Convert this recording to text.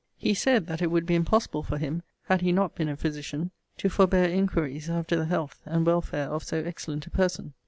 He said that it would be impossible for him, had he not been a physician, to forbear inquiries after the health and welfare of so excellent a person.